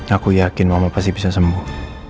aku yakin mama pasti bisa sembuh